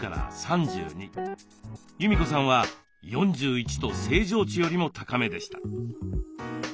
裕美子さんは４１と正常値よりも高めでした。